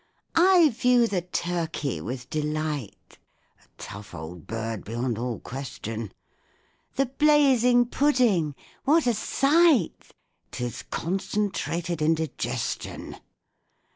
) I view the turkey with delight, (A tough old bird beyond all question!) The blazing pudding what a sight! ('Tis concentrated indigestion!